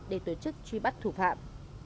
để tổ chức truy bắt thủ phạm